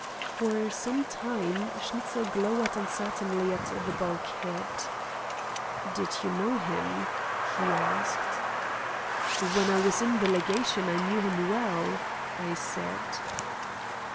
For some time Schnitzel glowered uncertainly at the bulkhead. "Did you know him?" he asked. "When I was in the legation I knew him well," I said.